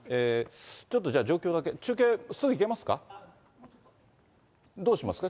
ちょっと状況だけ、中継、すぐいけますか？